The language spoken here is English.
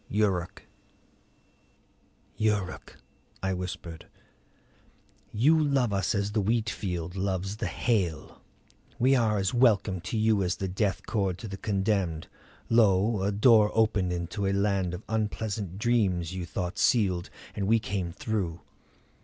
YURUK "Yuruk," I whispered, "you love us as the wheat field loves the hail; we are as welcome to you as the death cord to the condemned. Lo, a door opened into a land of unpleasant dreams you thought sealed, and we came through.